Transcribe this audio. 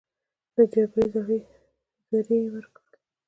د جګړې زړي یې وکرل